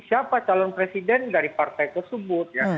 siapa calon presiden dari partai tersebut